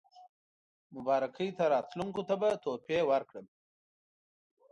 مبارکۍ ته راتلونکو ته به تحفې ورکړم.